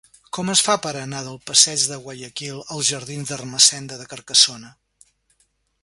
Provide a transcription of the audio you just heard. Com es fa per anar del passeig de Guayaquil als jardins d'Ermessenda de Carcassona?